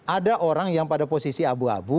ada orang yang pada posisi abu abu